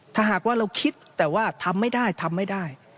ถ้าหากว่าเราคิดแต่ว่าทำไม่ได้ทำไม่ได้